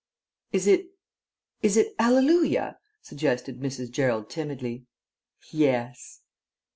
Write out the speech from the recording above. "Is it is it 'Alleluia'?" suggested Mrs. Gerald timidly. "Yes."